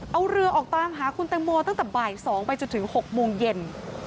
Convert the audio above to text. เอาเรือออกตามหาคุณแตงโมตั้งแต่บ่าย๒ไปจนถึง๖โมงเย็น